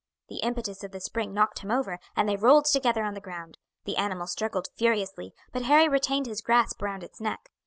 The impetus of the spring knocked him over, and they rolled together on the ground. The animal struggled furiously, but Harry retained his grasp round its neck.